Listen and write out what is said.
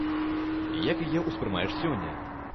Як яе ўспрымаеш сёння?